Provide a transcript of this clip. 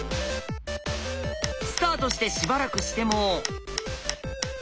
スタートしてしばらくしても。